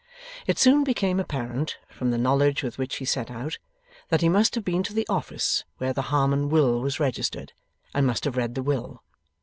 It soon became apparent (from the knowledge with which he set out) that he must have been to the office where the Harmon will was registered, and must have read the will.